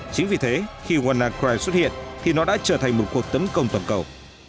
chính vì thế khi warner crye xuất hiện thì nó đã trở thành một cuộc tấn công toàn cầu